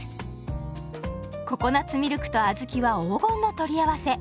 ココナツミルクと小豆は黄金の取り合わせ。